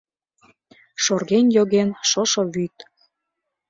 Шорген йоген шошо вӱд